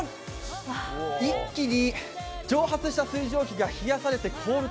一気に蒸発した水蒸気が冷やされて凍ると。